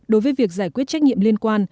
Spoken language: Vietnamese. đối với việc giải quyết trách nhiệm liên quan